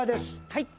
はい。